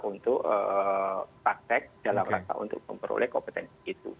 untuk praktek dalam rangka untuk memperoleh kompetensi itu